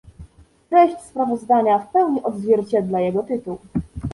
Treść sprawozdania w pełni odzwierciedla jego tytuł